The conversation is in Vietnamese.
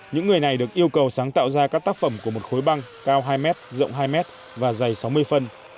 những người này được yêu cầu sáng tạo ra các tác phẩm của một khối băng cao hai m rộng hai m và dày sáu mươi phân